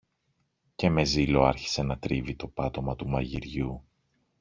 και με ζήλο άρχισε να τρίβει το πάτωμα του μαγειριού